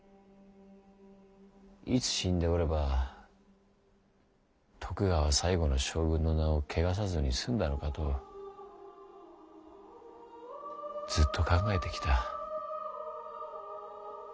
いつ死んでおれば徳川最後の将軍の名を穢さずに済んだのかとずっと考えてきた。